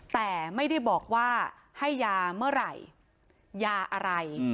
แต่ไม่ได้บอกว่าให้ยาเมื่อไหร่ยาอะไร